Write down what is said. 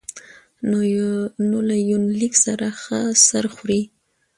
نو له يونليک سره ښه سر خوري